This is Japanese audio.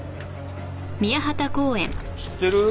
知ってる？